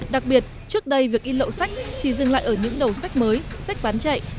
đặc biệt trước đây việc in lậu sách chỉ dừng lại ở những đầu sách mới sách bán chạy